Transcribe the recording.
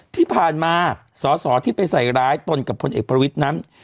ที่ผ่านมาสอสอที่ไปใส่ร้ายตนกับพลเอกประวิทย์นั้น